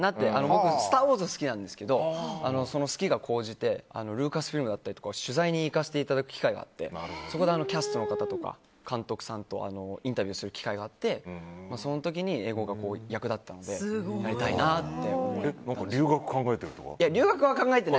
僕「スター・ウォーズ」が好きなんですけど好きが高じてルーカスフィルムだったりと取材に行かせていただくことがあってそこでキャストの方とか監督さんにインタビューする機会があってその時に英語が役立ったので留学考えてるとか？